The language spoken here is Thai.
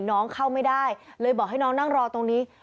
น้องเข้าไม่ได้เลยบอกให้น้องนั่งรอตรงนี้